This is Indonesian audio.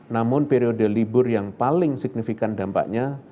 namun periode libur yang paling signifikan dampaknya